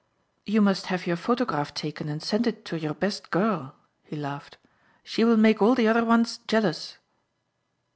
"You must have your photograph taken and send it to your best girl," he laughed, "she will make all the other ones jealous."